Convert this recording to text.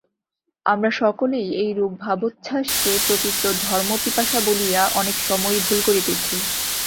আমরা সকলেই এইরূপ ভাবোচ্ছ্বাসকে প্রকৃত ধর্মপিপাসা বলিয়া অনেক সময়ই ভুল করিতেছি।